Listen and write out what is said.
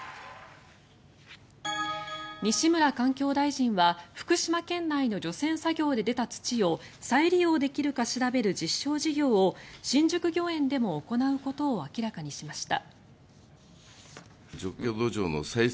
西村環境大臣は福島県内の除染作業で出た土を再利用できるか調べる実証事業を新宿御苑でも行うことを明らかにしました。